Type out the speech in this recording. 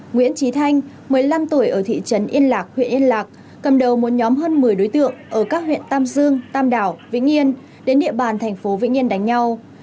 nguyễn trí thanh một mươi năm tuổi ở thị trấn yên lạc huyện yên lạc cầm đầu một nhóm hơn một mươi đối tượng ở các huyện tam dương tam đảo vĩnh yên đến địa bàn thành phố vĩnh yên đánh nhau